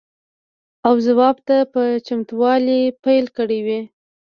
او ځواب ته په چتموالي پیل کړی وي.